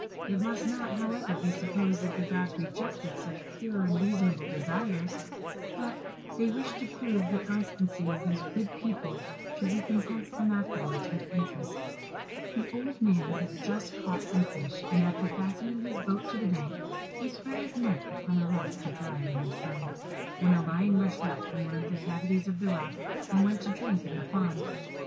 It must not, however, be supposed that the gods rejected such pure and reasonable desires, but they wished to prove the constancy of these good people, to recompense them afterwards with interest. [Illustration: Princess Lionette and Prince Coquerico. P. 416.] The old man had just caught some fish, and after fastening his boat to the bank, he spread his net upon a rock to dry it in the sun, when a lion rushed out from one of the cavities of the rock, and went to drink in the pond.